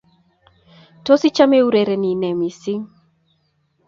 Tos, ichame iurereni nee missing?